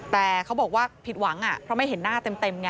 แต่เขาบอกว่าผิดหวังเพราะไม่เห็นหน้าเต็มไง